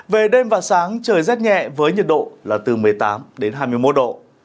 về đêm và sáng trời rét nhẹ với nhiệt độ là từ một mươi tám đến hai mươi một độ